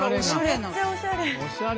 めっちゃおしゃれ。